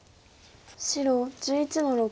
白１１の六。